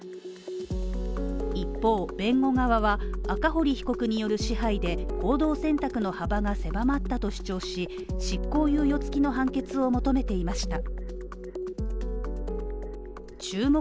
一方、弁護側は赤堀被告による支配で行動選択の幅が狭まったとして執行猶予付きの判決を求めていました。